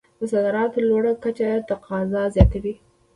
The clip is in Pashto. د صادراتو لوړه کچه تقاضا زیاتوي.